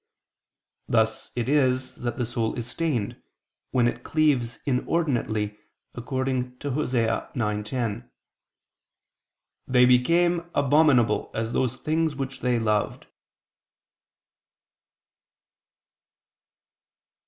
Thus it is that the soul is stained, when it cleaves inordinately, according to Osee 9:10: "They ... became abominable as those things were which they loved."